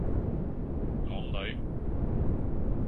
港女